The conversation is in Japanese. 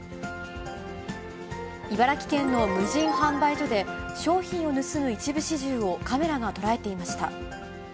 茨城県の無人販売所で、商品を盗む一部始終を、カメラが捉えていました。